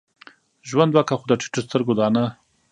ژوند وکه؛ خو د ټيټو سترګو دا نه.